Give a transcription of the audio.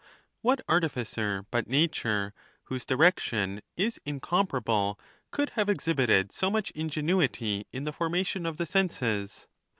LVII. What artificer but nature, whose direction is in comparable, could have exhibited so much ingenuity in the formation of the senses?